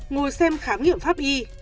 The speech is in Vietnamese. ngồi xem khám nghiệm pháp y